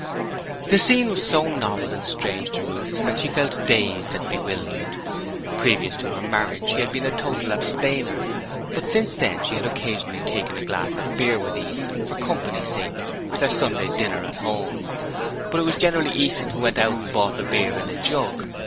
The scene was so novel and strange to Ruth that she felt dazed and bewildered. Previous to her marriage she had been a total abstainer, but since then she had occasionally taken a glass of beer with Easton for company's sake with their Sunday dinner at home; but it was generally Easton who went out and bought the beer in a jug.